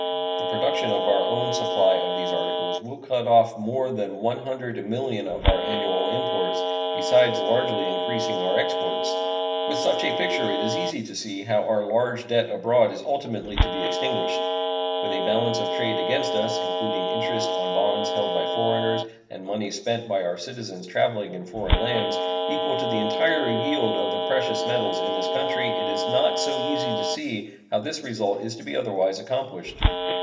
The production of our own supply of these articles will cut off more than one hundred millions of our annual imports, besides largely increasing our exports. With such a picture it is easy to see how our large debt abroad is ultimately to be extinguished. With a balance of trade against us (including interest on bonds held by foreigners and money spent by our citizens traveling in foreign lands) equal to the entire yield of the precious metals in this country, it is not so easy to see how this result is to be otherwise accomplished.